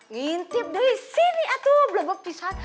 ngintip deh sini atuh blablabla pisah